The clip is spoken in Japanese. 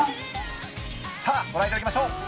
さあ、ご覧いただきましょう。